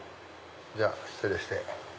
じゃあ失礼して。